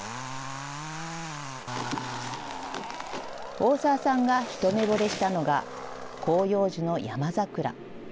大澤さんが一目ぼれしたのが、広葉樹のヤマザクラ。